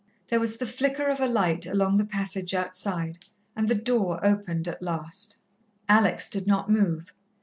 There was the flicker of a light along the passage outside, and the door opened at last. Alex did not move.